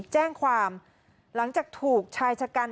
แจ้งความหลังจากถูกชายชะกัน